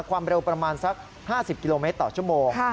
ความเร็วประมาณสัก๕๐กิโลเมตรต่อชั่วโมง